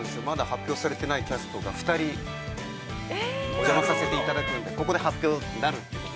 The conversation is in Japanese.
まだ発表されてないキャストが２人お邪魔させていただくので、ここで発表になると。